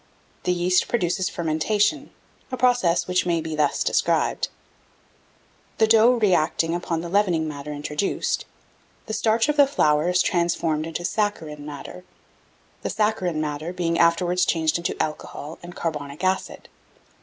The yeast produces fermentation, a process which may be thus described: The dough reacting upon the leavening matter introduced, the starch of the flour is transformed into saccharine matter, the saccharine matter being afterwards changed into alcohol and carbonic acid.